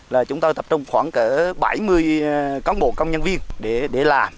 là chúng ta tập trung khoảng cả bảy mươi cán bộ công nhân viên để làm